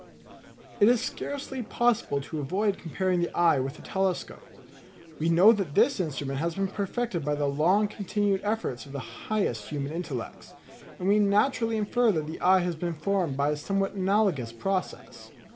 It is scarcely possible to avoid comparing the eye with a telescope. We know that this instrument has been perfected by the long continued efforts of the highest human intellects; and we naturally infer that the eye has been formed by a somewhat analogous process.